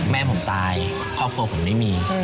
แม่ผมตายครอบครัวผมไม่มี